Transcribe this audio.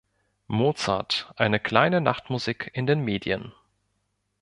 Mozart, Eine Kleine Nachtmusik in den Medien.